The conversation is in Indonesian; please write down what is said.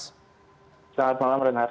selamat malam renat